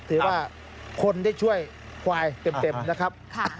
ถือว่าคนที่ช่วยควายเต็มนะครับ